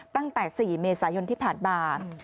ตั้งแต่๔เมษายนที่ผ่านมา